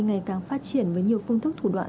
ngày càng phát triển với nhiều phương thức thủ đoạn